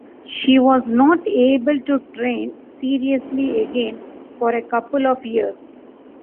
She was not able to train seriously again for a couple of years.